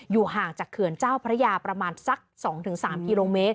ห่างจากเขื่อนเจ้าพระยาประมาณสัก๒๓กิโลเมตร